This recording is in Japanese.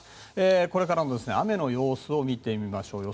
これからの雨の様子を見てみましょう。